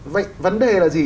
vậy vấn đề là gì